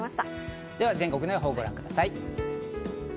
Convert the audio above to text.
では全国の予報をご覧ください。